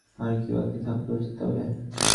আর কী বাকি থাকল তবে?